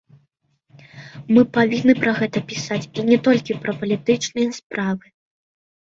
Мы павінны пра гэта пісаць, і не толькі пра палітычныя справы.